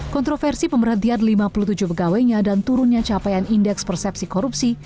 kontroversi pemerhatian lima puluh tujuh pegawainya dan turunnya capaian indeks persepsi korupsi